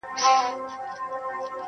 ناست یمه ترې لپې ډکومه زه -